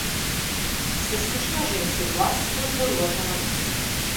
Се слушна женски глас кој зборуваше на руски.